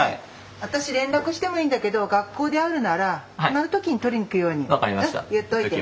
あたし連絡してもいいんだけど学校で会うなら暇な時に取りにくるように言っといてね。